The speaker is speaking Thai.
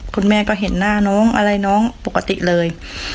คุณแม่ก็เห็นหน้าน้องอะไรน้องปกติเลย